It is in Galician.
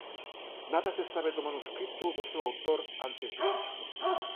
Nada se sabe do manuscrito ou do seu autor antes disto.